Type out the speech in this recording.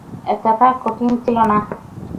এতটা কঠিন ছিল না।